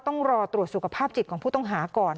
ต้องรอตรวจสุขภาพจิตของผู้ต้องหาก่อน